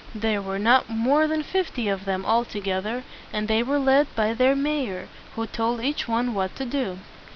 There were not more than fifty of them, all together, and they were led by their may or, who told each one what to do.